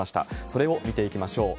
それを見ていきましょう。